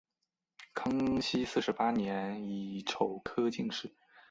康熙四十八年己丑科进士。